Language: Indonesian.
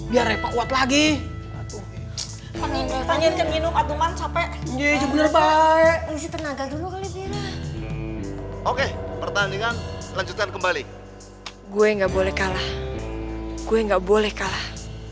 jadi papi lo pingsan deh kumat deh